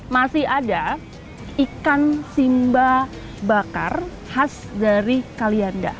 masih ada ikan simba bakar khas dari kalianda